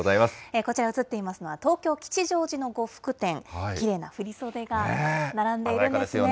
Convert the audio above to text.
こちら映っていますのは、東京・吉祥寺の呉服店、きれいな振り袖が並んでいるんですね。